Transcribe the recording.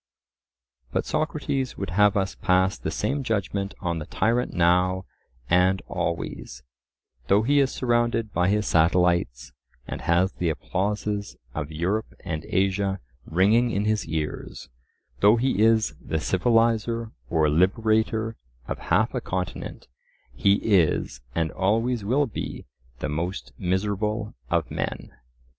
But Socrates would have us pass the same judgment on the tyrant now and always; though he is surrounded by his satellites, and has the applauses of Europe and Asia ringing in his ears; though he is the civilizer or liberator of half a continent, he is, and always will be, the most miserable of men.